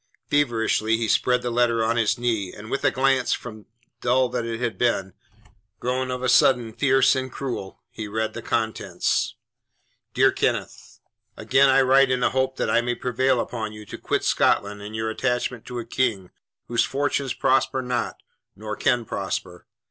Feverishly he spread the letter on his knee, and with a glance, from dull that it had been, grown of a sudden fierce and cruel, he read the contents. DEAR KENNETH, Again I write in the hope that I may prevail upon you to quit Scotland and your attachment to a king, whose fortunes prosper not, nor can prosper.